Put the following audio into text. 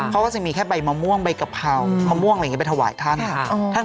เขาก็จะมีแค่ใบมะม่วงใบกะเพรามะม่วงอะไรอย่างนี้ไปถวายท่าน